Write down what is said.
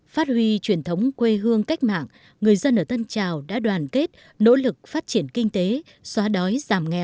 phát huy truyền thống quê hương cách mạng người dân ở tân trào đã đoàn kết nỗ lực phát triển kinh tế xóa đói giảm nghèo